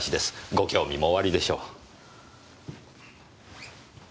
ご興味もおありでしょう。